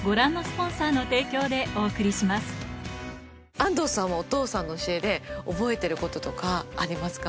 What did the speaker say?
安藤さんはお父さんの教えで覚えてることとかありますか？